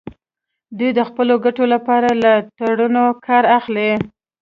دوی د خپلو ګټو لپاره له تړونونو کار اخلي